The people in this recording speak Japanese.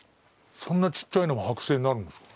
そんなちっちゃいのが剥製になるんですか？